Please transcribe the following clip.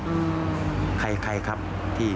อืมใครครับที่